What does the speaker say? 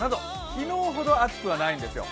昨日ほど暑くないんですよ。